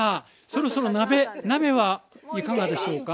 そろそろ鍋鍋はいかがでしょうか？